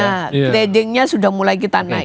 nah tradingnya sudah mulai kita naik